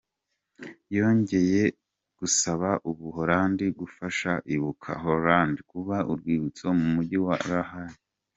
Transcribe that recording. Yanongeye gusaba u Buholandi gufasha Ibuka Hollande kubaka Urwibutso mu mujyi wa La Haye.